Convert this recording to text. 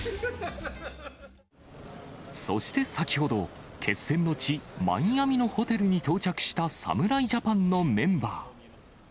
そして先ほど、決戦の地、マイアミのホテルに到着した侍ジャパンのメンバー。